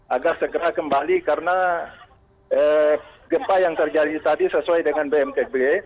agar segera kembali karena gempa yang terjadi tadi sesuai dengan bmkgb